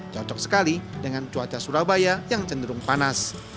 cocok sekali dengan cuaca surabaya yang cenderung panas